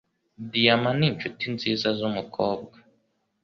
Diyama ninshuti nziza zumukobwa.